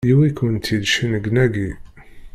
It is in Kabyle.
Yewwi-kent-id cennegnagi!